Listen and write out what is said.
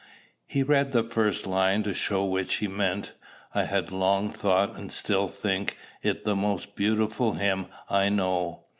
He read the first line to show which he meant. I had long thought, and still think, it the most beautiful hymn I know.